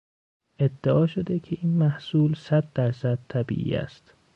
ادعا شده که این محصول صد در صد طبیعی است.